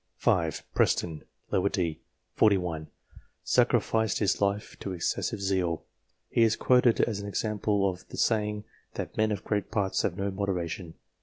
5. Preston, d. set. 41, sacrificed his life to excessive zeal ; he is quoted as an example of the saying, that " men of great parts have no moderation."